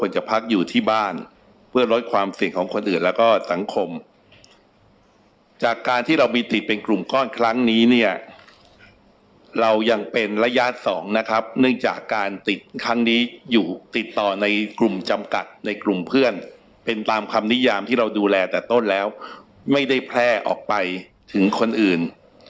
จากการที่เรามีติดเป็นกลุ่มก้อนครั้งนี้เนี่ยเรายังเป็นระยะสองนะครับเนื่องจากการติดครั้งนี้อยู่ติดต่อในกลุ่มจำกัดในกลุ่มเพื่อนเป็นตามคำนิยามที่เราดูแลแต่ต้นแล้วไม่ได้แพร่ออกไปถึงคนอื่น